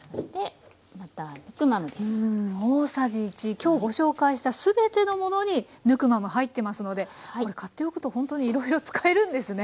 今日ご紹介した全てのものにヌクマム入ってますのでこれ買っておくとほんとにいろいろ使えるんですね。